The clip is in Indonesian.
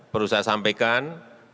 perlu saya sampaikan